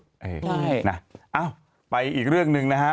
ใช่นะเอ้าไปอีกเรื่องหนึ่งนะฮะ